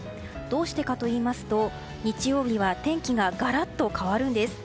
どうしてかといいますと日曜日は天気がガラッと変わるんです。